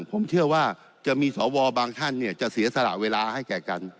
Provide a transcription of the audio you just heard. ผมเชื่อว่าจะมีสวบางท่านเนี่ยจะเสียสละเวลาให้แก่กัน